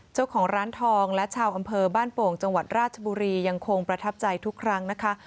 เจ้าของร้านทองและชาวอำเภอบ้านโป่งจังหวัดราชบุรียังคงประทับใจทุกครั้งนะคะ